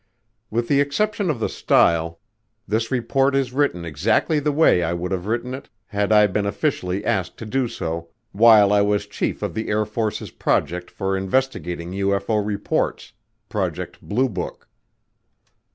With the exception of the style, this report is written exactly the way I would have written it had I been officially asked to do so while I was chief of the Air Force's project for investigating UFO reports Project Blue Book.